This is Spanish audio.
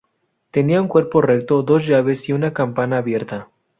Tenía un cuerpo recto, dos llaves y una campana abierta.